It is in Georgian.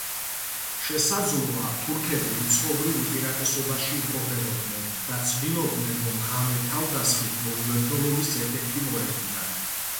შესაძლოა თურქები რიცხობრივ უპირატესობაში იმყოფებოდნენ და ცდილობდნენ, რომ ღამე თავდასხმით მოულოდნელობის ეფექტი მოეხდინათ.